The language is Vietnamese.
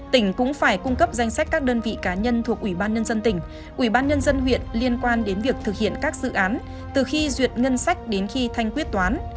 tỉnh cũng phải cung cấp danh sách các đơn vị cá nhân thuộc ủy ban nhân dân tỉnh ủy ban nhân dân huyện liên quan đến việc thực hiện các dự án từ khi duyệt ngân sách đến khi thanh quyết toán